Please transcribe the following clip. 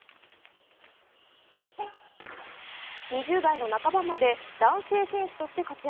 ２０代の半ばまで男性選手として活躍。